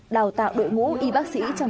đào tạo đội ngũ y bác sĩ trầm